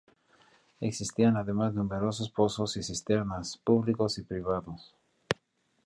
Existían además numerosos pozos y cisternas, públicos y privados.